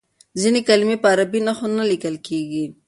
ځینې کلمې په عربي نښو نه لیکل کیږي.